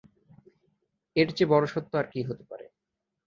এর চেয়ে বড় সত্য আর কী হতে পারে?